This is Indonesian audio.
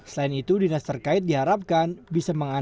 selain itu dinas terkait diharapkan bisa mengembangkan